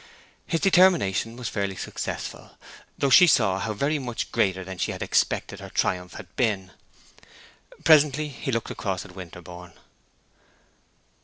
His determination was fairly successful, though she saw how very much greater than she had expected her triumph had been. Presently he looked across at Winterborne.